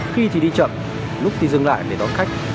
khi thì đi chậm lúc thì dừng lại để đón khách